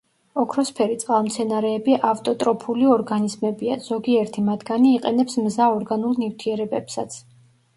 ოქროსფერი წყალმცენარეები ავტოტროფული ორგანიზმებია, ზოგიერთი მათგანი იყენებს მზა ორგანულ ნივთიერებებსაც.